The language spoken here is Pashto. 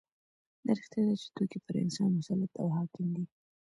دا رښتیا ده چې توکي پر انسان مسلط او حاکم دي